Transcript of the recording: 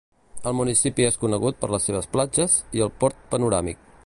El municipi és conegut per les seves platges i el port panoràmic.